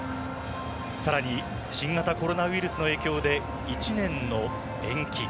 さらに新型コロナウイルスの影響で１年の延期。